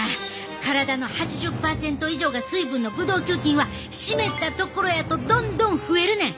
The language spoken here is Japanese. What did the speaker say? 体の８０％以上が水分のブドウ球菌は湿ったところやとどんどん増えるねん。